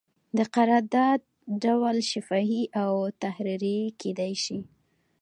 د قرارداد ډول شفاهي او تحریري کیدی شي.